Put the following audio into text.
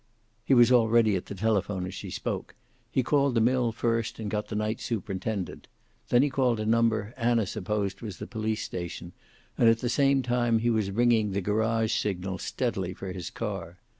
He was already at the telephone as she spoke. He called the mill first, and got the night superintendent. Then he called a number Anna supposed was the police station, and at the same time he was ringing the garage signal steadily for his car.